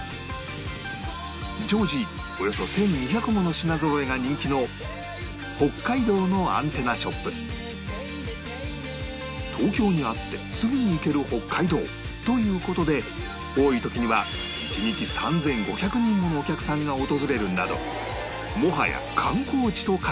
常時およそ１２００もの品ぞろえが人気の東京にあってすぐに行ける北海道という事で多い時には１日３５００人ものお客さんが訪れるなどもはや観光地と化している